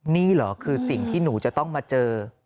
นี่เหรอคือสิ่งที่หนูจะต้องมาเจอ